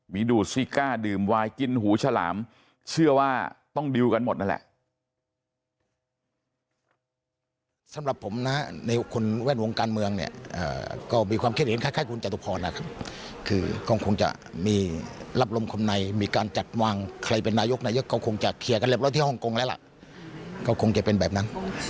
มีดูดซิก้าดื่มวายกินหูฉลามเชื่อว่าต้องดิวกันหมดนั่นแหละ